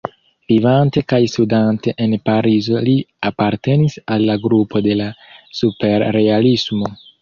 Vivante kaj studante en Parizo li apartenis al la grupo de la Superrealismo.